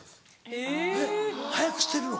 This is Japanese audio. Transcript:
えっ速くしてるの？